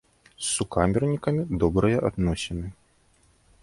З сукамернікамі добрыя адносіны.